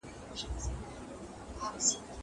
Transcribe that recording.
زه کولای سم بازار ته ولاړ سم.